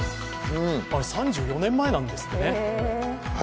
３４年前なんですね。